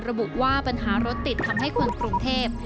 ระบุว่าปัญหารถติดทำให้คนกรุงเทพ